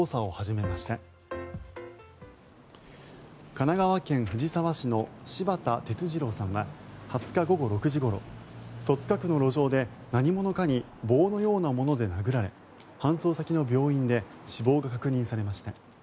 神奈川県藤沢市の柴田哲二郎さんは２０日午後６時ごろ戸塚区の路上で何者かに棒のようなもので殴られ搬送先の病院で死亡が確認されました。